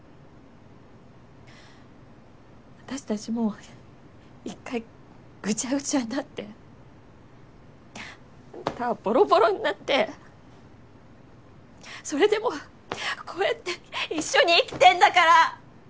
私たちもう一回ぐちゃぐちゃになってあんたはボロボロになってそれでもこうやって一緒に生きてんだから。